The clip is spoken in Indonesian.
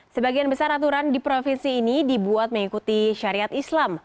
sebagian besar aturan di provinsi ini dibuat mengikuti syariat islam